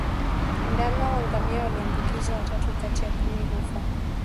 Ndama wa ngamia walioambukizwa watatu kati ya kumi hufa